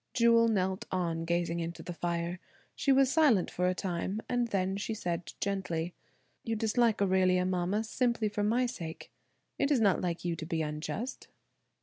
Jewel knelt on, gazing into the fire. She was silent for a time, and then she said gently: "You dislike Aurelia, mama, simply for my sake. It is not like you to be unjust."